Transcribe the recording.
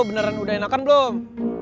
beneran udah enakan belum